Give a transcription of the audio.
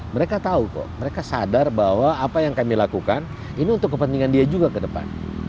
mereka tahu kok mereka sadar bahwa apa yang kami lakukan ini untuk kepentingan dia juga ke depan